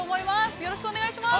よろしくお願いします。